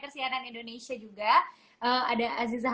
kasihan indonesia juga ada aziza